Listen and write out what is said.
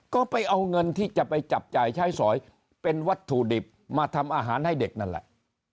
ก็ไปเอาเงินที่จะไปจับจ่ายใช้สอยเป็นวัตถุดิบมาทำอาหารให้เด็กนั่นแหละ